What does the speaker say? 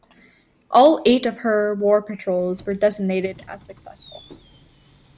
All eight of her war patrols were designated as "successful".